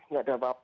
enggak ada apa apa